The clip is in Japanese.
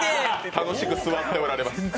楽しく座っておられます。